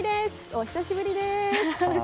お久しぶりです！